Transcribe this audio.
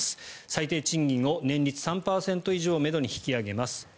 最低賃金を年率３％以上をめどに引き上げます。